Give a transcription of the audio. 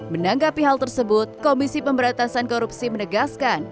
menanggapi hal tersebut komisi pemberantasan korupsi menegaskan